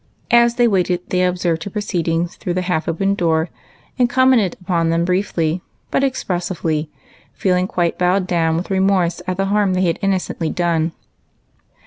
As they waited, they observed her proceedings through the half open door, and commented upon them briefly but expressively, feeling quite bowed down with remorse at the harm they had innocently done.